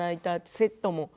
セットも。